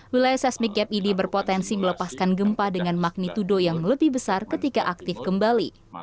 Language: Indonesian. wilayah seismik gap ini berpotensi melepaskan gempa dengan magnitudo yang lebih besar ketika aktif kembali